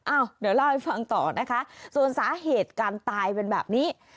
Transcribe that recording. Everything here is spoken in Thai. เดี๋ยวเล่าให้ฟังต่อนะคะส่วนสาเหตุการตายเป็นแบบนี้